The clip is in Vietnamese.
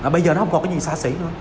bây giờ nó không còn cái gì xa xỉ đâu